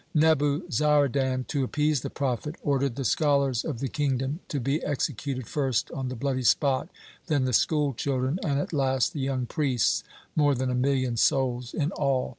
Nebuzaradan, to appease the prophet, ordered the scholars of the kingdom to be executed first on the bloody spot, then the school children, and at last the young priests, more than a million souls in all.